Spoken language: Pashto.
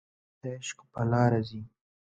د عشق په لاره ځي